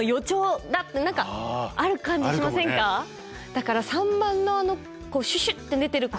だから３番のあのシュシュッて出てる雲は。